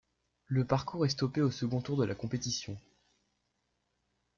Le parcours est stoppé au second tour de la compétition.